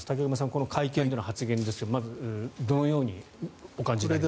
この会見での発言ですがどのようにお感じになりますか？